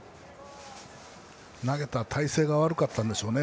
投げた体勢が悪かったんでしょうね。